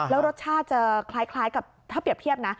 แล้วรสชาติจะคล้ายกับถ้าเปรียบเทียบนะ